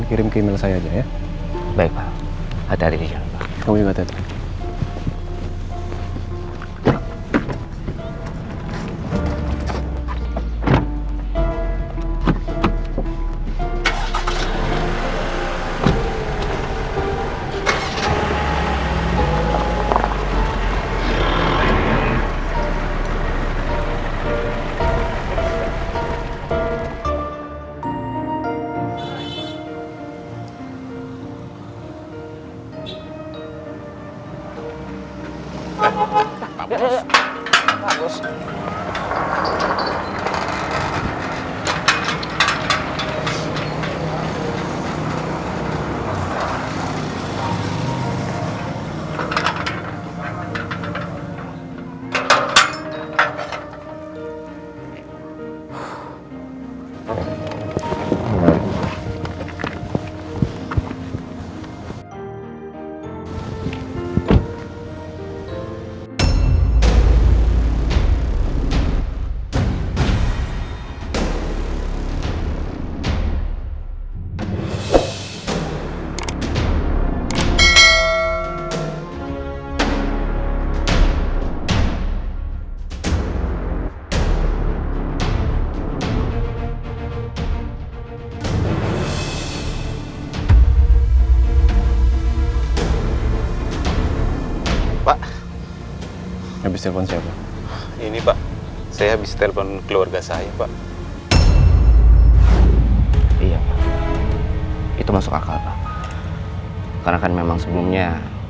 kirim ke email saya aja ya